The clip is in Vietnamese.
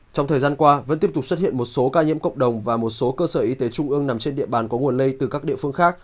trong thời gian qua vẫn tiếp tục xuất hiện một số ca nhiễm cộng đồng và một số cơ sở y tế trung ương nằm trên địa bàn có nguồn lây từ các địa phương khác